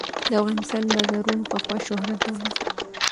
د افغانستان بازارونو پخوا شهرت درلود.